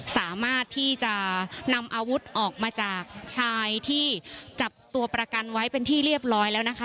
สามารถที่จะนำอาวุธออกมาจากชายที่จับตัวประกันไว้เป็นที่เรียบร้อยแล้วนะคะ